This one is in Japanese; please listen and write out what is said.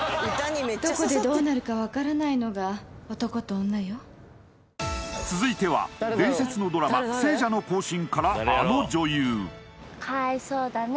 どこでどうなるか分からないのが男と女よ続いては伝説のドラマ「聖者の行進」からあの女優かわいそうだね